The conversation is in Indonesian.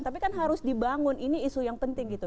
tapi kan harus dibangun ini isu yang penting gitu